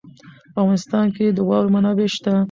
په افغانستان کې د واوره منابع شته.